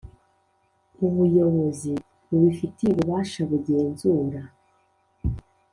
Ubuyobozi bubifitiye ububasha bugenzura